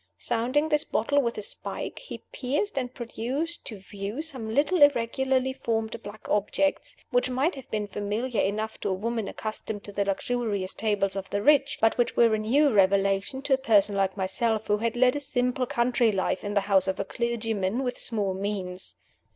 Sounding this bottle with a spike, he pierced and produced to view some little irregularly formed black objects, which might have been familiar enough to a woman accustomed to the luxurious tables of the rich, but which were a new revelation to a person like myself, who had led a simple country life in the house of a clergyman with small means.